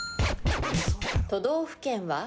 都道府県は？